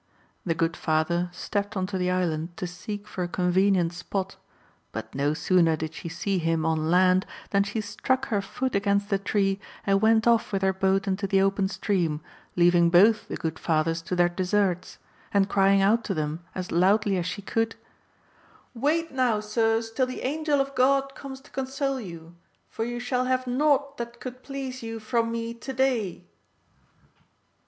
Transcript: The good father stepped on to the island to seek for a convenient spot, but no sooner did she see him on land than she struck her foot against the tree and went off with her boat into the open stream, leaving both the good fathers to their deserts, and crying out to them as loudly as she could "Wait now, sirs, till the angel of God comes to console you; for you shall have nought that could please you from me to day."